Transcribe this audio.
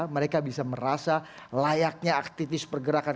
mereka bisa merasa layaknya aktivis pergerakan